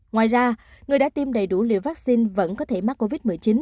ngoài ra người đã tiêm đầy đủ liều vaccine vẫn có thể mắc covid một mươi chín